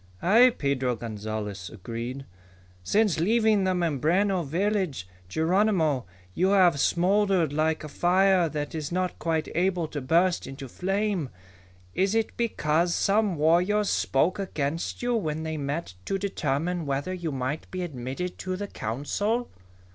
"Aye," Pedro Gonzalez agreed. "Since leaving the Mimbreno village, Geronimo, you have smoldered like a fire that is not quite able to burst into flame. Is it because some warriors spoke against you when they met to determine whether you might be admitted to the Council?"